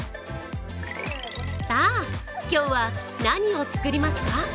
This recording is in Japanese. さあ、今日は何を作りますか？